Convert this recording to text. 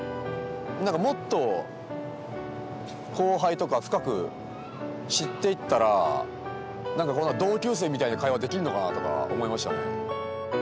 何かもっと後輩とか深く知っていったらこんな同級生みたいな会話できんのかなとか思いましたね。